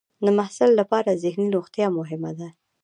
د محصل لپاره ذهني روغتیا مهمه ده.